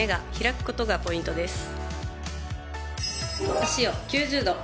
脚を９０度。